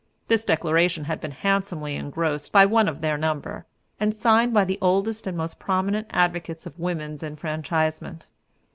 This Declaration had been handsomely engrossed by one of their number, and signed by the oldest and most prominent advocates of woman's enfranchisement.